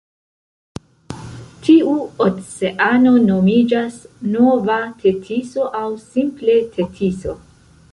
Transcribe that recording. Tiu oceano nomiĝas Nova Tetiso aŭ simple Tetiso.